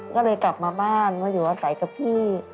ก็เลยกลับมาบ้านมาอยู่อาศัยกับพี่